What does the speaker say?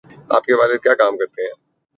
آپ کے والد کیا کام کرتے ہیں